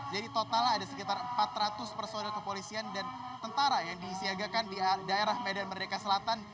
total ada sekitar empat ratus personil kepolisian dan tentara yang disiagakan di daerah medan merdeka selatan